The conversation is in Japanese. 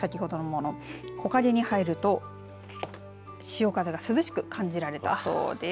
やしの木、先ほど木陰に入ると潮風が涼しく感じられたそうです。